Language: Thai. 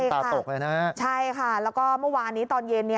ตาตกเลยนะใช่ค่ะแล้วก็เมื่อวานนี้ตอนเย็น